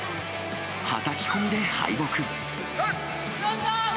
はたき込みで敗北。